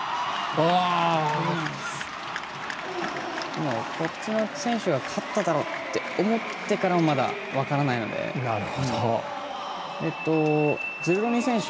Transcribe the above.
今、こっちの選手が勝っただろって思ってからもまだ分からないのでズルロニ選手